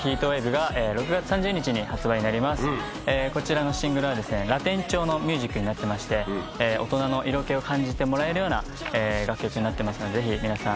こちらのシングルはラテン調のミュージックになってまして大人の色気を感じてもらえるような楽曲になってますのでぜひ皆さん